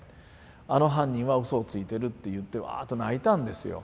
あの犯人はうそをついてるって言ってワーッと泣いたんですよ。